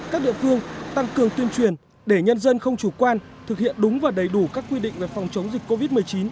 các địa phương tăng cường tuyên truyền để nhân dân không chủ quan thực hiện đúng và đầy đủ các quy định về phòng chống dịch covid một mươi chín